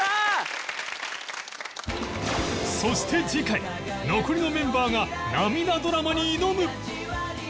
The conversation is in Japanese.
そして次回残りのメンバーが涙ドラマに挑む！